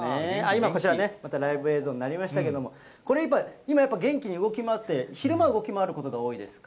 今、こちらね、またライブ映像になりましたけれども、今、やっぱり元気に動き回って、昼間、動き回ることが多いですか？